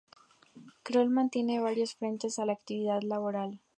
Kroll mantiene varios frentes de actividad laboral.